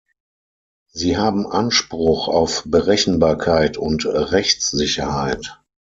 Sie haben Anspruch auf Berechenbarkeit und Rechtssicherheit.